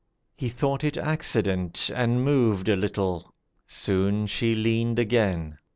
He thought it accident, And moved a little; soon she leaned again.